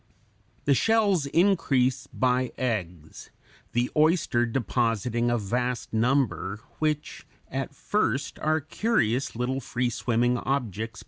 The shells increase by eggs, the oyster depositing a vast number, which at first are curious little free swimming objects (Fig.